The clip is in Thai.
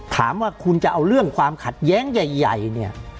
ถามว่าคุณจะเอาเรื่องความขัดแย้งใหญ่เนี่ย